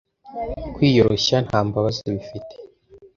kwiyoroshya nta mbabazi bifite